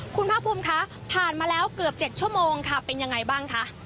คุณภาคภูมิคะผ่านมาแล้วเกือบ๗ชั่วโมงค่ะเป็นยังไงบ้างคะ